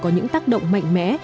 có những tác động mạnh mẽ